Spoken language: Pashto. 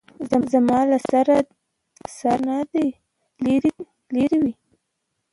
زما له سر نه دې لېرې وي.